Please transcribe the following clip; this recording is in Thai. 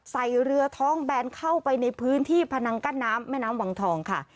ใส่เรือท้องแบนเข้าไปในพื้นที่พนังกั้นน้ำแม่น้ำวังทองค่ะ